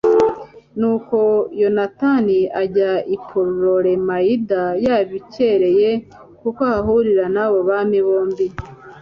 nuko yonatani ajya i putolemayida yabikereye koko ahahurira n'abo bami bombi